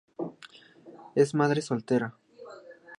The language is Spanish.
Es madre soltera.